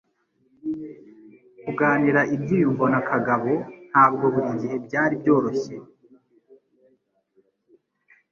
Kuganira ibyiyumvo na Kagabo ntabwo buri gihe byari byoroshye.